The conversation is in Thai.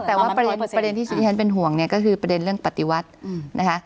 แต่ว่าประเด็นที่ที่ฉันเป็นห่วงเนี่ยก็คือประเด็นเรื่องปฏิวัตินะคะ